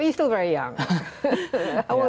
anda masih sangat muda